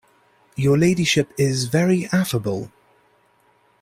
Your ladyship is very affable.